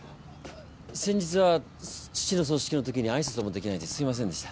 先日は父の葬式のときに挨拶もできないですいませんでした。